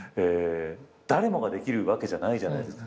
誰もができるわけじゃないじゃないですか。